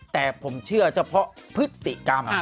แต่ผมเชื่อเฉพาะพฤติกรรม